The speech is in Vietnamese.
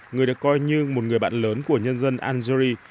người được coi như một người bạn lớn của nhân dân algeri